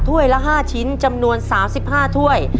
ละ๕ชิ้นจำนวน๓๕ถ้วย